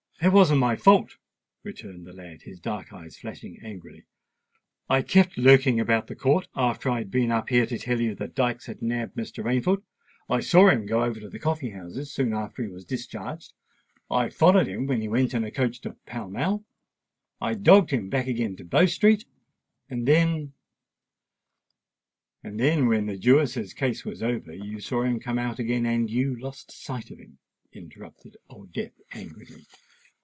"It wasn't my fault," returned the lad, his dark eyes flashing angrily. "I kept lurking about the court after I had been up here to tell you that Dykes had nabbed Mr. Rainford: I saw him go over to the coffee house soon after he was discharged—I followed him when he went in a coach to Pall Mall—I dogged him back again to Bow Street—and then——" "And then when the Jewess's case was over, you saw him come out, and you lost sight of him," interrupted Old Death angrily.